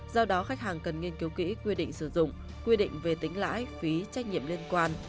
do đó khách hàng cần nghiên cứu kỹ quy định sử dụng quy định về tính lãi phí trách nhiệm liên quan